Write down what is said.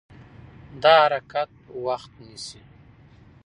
دا حرکت وخت نه نیسي.